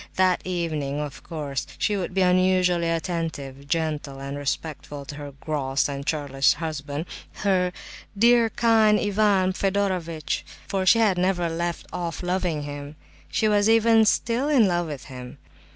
That evening, of course, she would be unusually attentive, gentle, and respectful to her "gross and churlish" husband, her "dear, kind Ivan Fedorovitch," for she had never left off loving him. She was even still "in love" with him.